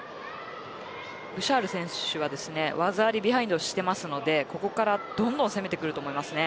ブシャール選手は技ありビハインドをしているのでここからどんどん攻めていきます。